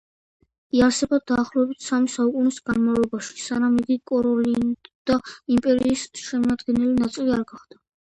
იარსება დაახლოებით სამი საუკუნის განმავლობაში, სანამ იგი კაროლინგთა იმპერიის შემადგენელი ნაწილი არ გახდა.